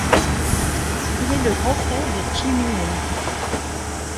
Il est le grand frère de Jimmy Wong.